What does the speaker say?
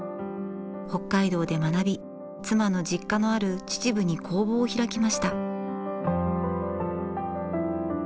北海道で学び妻の実家のある秩父に工房を開きました。